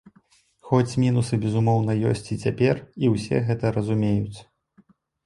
Хоць мінусы, безумоўна, ёсць і цяпер, і ўсе гэта разумеюць.